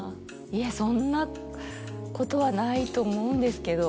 いやそんなことはないと思うんですけど。